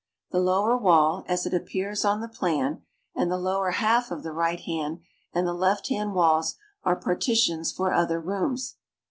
The lower wall (as it appears on the ])lan) and the lower half of the right hand and the left hand walls are partitions for other rooms.